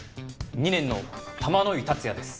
２年の玉乃井竜也です。